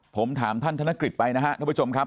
ผมถามท่านธนกฤษไปนะครับท่านผู้ชมครับ